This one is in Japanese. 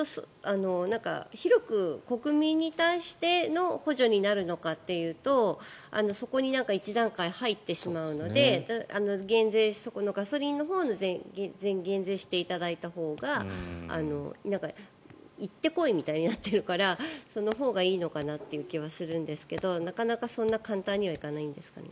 広く国民に対しての補助になるのかというとそこに１段階入ってしまうのでガソリンのほうの減税していただいたほうが行って来いみたいになってるからそのほうがいいのかなという気がするんですがなかなかそんな簡単にはいかないんですかね。